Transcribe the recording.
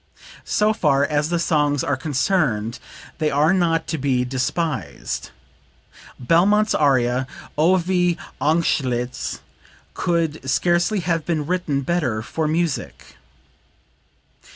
So far as the songs are concerned they are not to be despised. Belmont's aria 'O, wie angstlich' could scarcely have been written better for music."